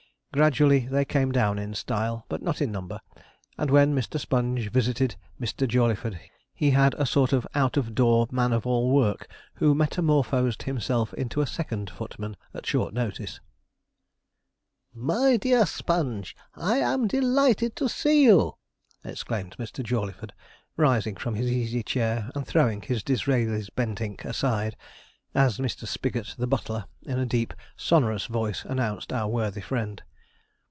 Gradually they came down in style, but not in number, and, when Mr. Sponge visited Mr. Jawleyford, he had a sort of out of door man of all work who metamorphosed himself into a second footman at short notice. 'My dear Mr. Sponge! I am delighted to see you!' exclaimed Mr. Jawleyford, rising from his easy chair, and throwing his Disraeli's Bentinck aside, as Mr. Spigot, the butler, in a deep, sonorous voice, announced our worthy friend.